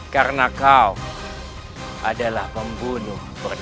karena kau adalah pembunuh berdiri